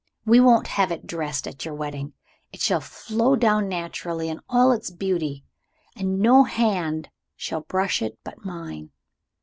We won't have it dressed at your wedding. It shall flow down naturally in all its beauty and no hand shall brush it but mine."